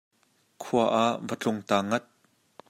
Khua ah va tlung ta ngat?